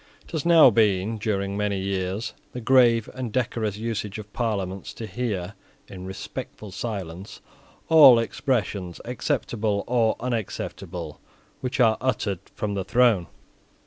It has now been, during many years, the grave and decorous usage of Parliaments to hear, in respectful silence, all expressions, acceptable or unacceptable, which are uttered from the throne.